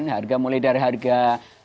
harga mulai dari harga